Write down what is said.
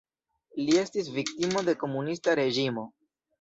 Li estis viktimo de komunista reĝimo.